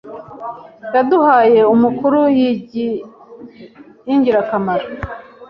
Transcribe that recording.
Yaduhaye amakuru yingirakamaro.